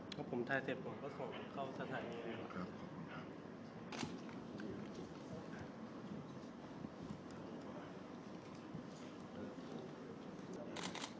ครับผมถ่ายเสร็จผมก็ขอเข้าถ่ายนี้เลยครับ